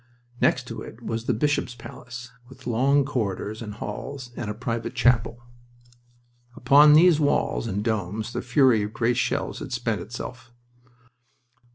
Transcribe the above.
Next to it was the bishop's palace, with long corridors and halls, and a private chapel. Upon these walls and domes the fury of great shells had spent itself.